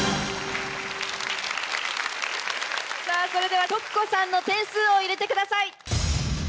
それではとくこさんの点数を入れてください。